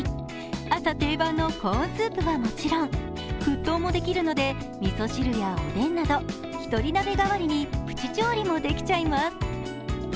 朝、定番のコーンスープはもちろん沸騰もできるので、みそ汁やおでんなど１人鍋代わりにプチ調理もできちゃいます。